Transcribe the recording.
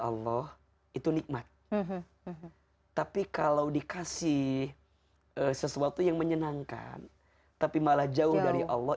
allah itu nikmat tapi kalau dikasih sesuatu yang menyenangkan tapi malah jauh dari allah